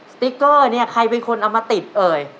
สติ๊กเกอร์เนี่ยใครเป็นคนเอามาติดเอ่ย